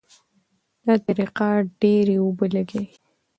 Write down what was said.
دا طریقه ډېرې اوبه لګوي.